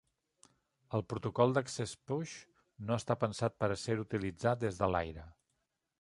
El Protocol d'Accés Push no està pensat per a ser utilitzat des de l'aire.